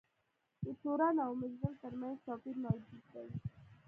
د تورن او مجرم ترمنځ توپیر موجود دی.